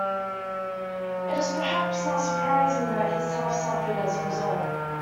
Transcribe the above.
It is perhaps not surprising that his health suffered as a result.